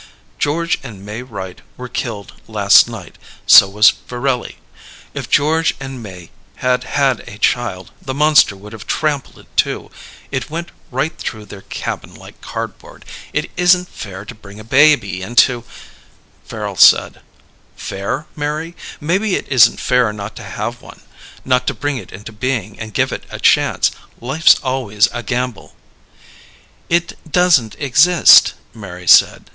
"George and May Wright were killed last night. So was Farelli. If George and May had had a child, the monster would have trampled it too it went right through their cabin like cardboard. It isn't fair to bring a baby into " Farrel said, "Fair, Mary? Maybe it isn't fair not to have one. Not to bring it into being and give it a chance. Life's always a gamble " "It doesn't exist," Mary said.